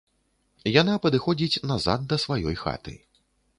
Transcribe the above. Яна падыходзіць назад да сваёй хаты.